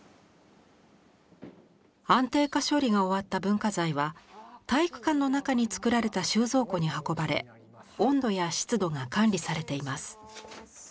安定化処理が終わった文化財は体育館の中に造られた収蔵庫に運ばれ温度や湿度が管理されています。